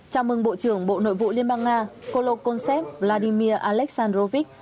chào mừng bộ trưởng bộ nội vụ liên bang nga kolo konsep vladimir aleksandrovich